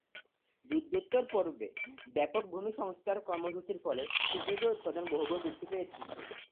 যুদ্ধোত্তর পর্বে ব্যাপক ভূমি সংস্কার কর্মসূচীর ফলে কৃষিজ উৎপাদন বহুগুণ বৃদ্ধি পেয়েছে।